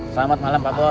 selamat malam pak bos